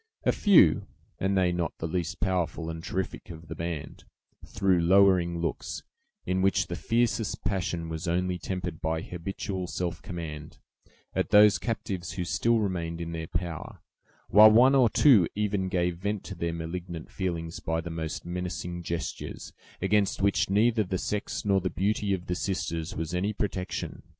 A few, and they not the least powerful and terrific of the band, threw lowering looks, in which the fiercest passion was only tempered by habitual self command, at those captives who still remained in their power, while one or two even gave vent to their malignant feelings by the most menacing gestures, against which neither the sex nor the beauty of the sisters was any protection.